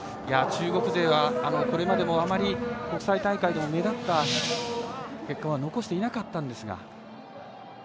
中国勢はこれまでもあまり国際大会でも目立った結果は残していなかったんですが。